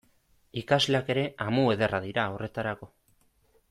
Ikasleak ere amu ederra dira horretarako.